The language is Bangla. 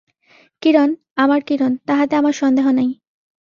কিরণ, আমার কিরণ, তাহাতে আমার সন্দেহ নাই।